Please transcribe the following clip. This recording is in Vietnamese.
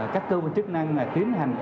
các cơ quan chức năng tiến hành